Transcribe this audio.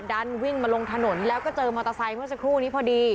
ดันวิ่งมาลงถนนแล้วก็เจอมอเตอร์ไซค์เมื่อสักครู่นี้พอดี